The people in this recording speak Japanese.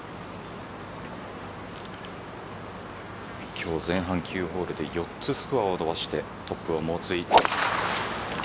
今日、前半９ホールで４つスコアを伸ばしてトップを猛追。